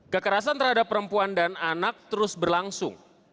kekerasan terhadap perempuan dan anak terus berlangsung